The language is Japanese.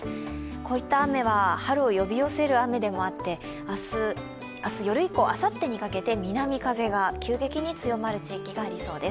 こういった雨は春を呼び寄せる雨でもあって明日夜以降、あさってにかけて南風が急激に強まる地域がありそうです。